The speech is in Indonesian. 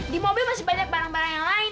di mobil masih banyak barang barang yang lain